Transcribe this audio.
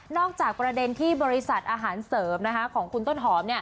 จากประเด็นที่บริษัทอาหารเสริมของคุณต้นหอม